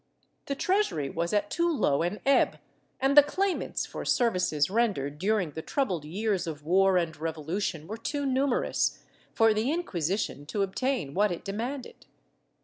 The treasury was at too low an ebb, and the claimants for services rendered during the troubled years of war and revolution were too numerous, for the Inquisition to obtain what it demanded.